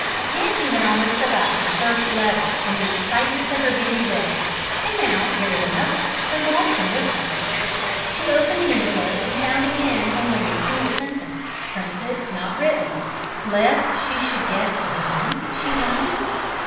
Nancy had almost forgotten the first letter in the excitements of her busy day, and now here was another, from Boston this time. She opened the envelope and found again only a single sentence, printed, not written. (Lest she should guess the hand, she wondered?)